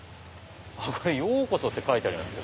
「ようこそ」って書いてあります